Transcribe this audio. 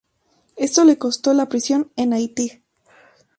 Esto le costo la prisión en Haití.